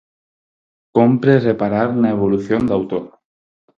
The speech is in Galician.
Cómpre reparar na evolución do autor.